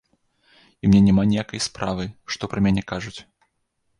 І мне няма ніякай справы, што пра мяне кажуць.